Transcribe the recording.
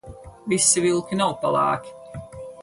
Visi vilki nav pelēki.